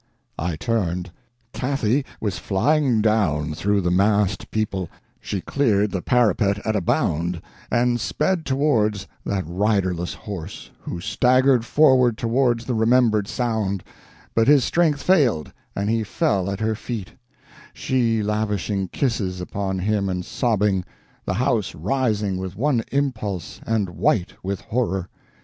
I turned; Cathy was flying down through the massed people; she cleared the parapet at a bound, and sped towards that riderless horse, who staggered forward towards the remembered sound; but his strength failed, and he fell at her feet, she lavishing kisses upon him and sobbing, the house rising with one impulse, and white with horror!